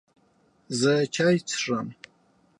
زه چای څښم